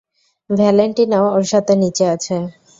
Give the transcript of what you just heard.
ভ্যালেন্টিনাও ওর সাথে নিচে আছে।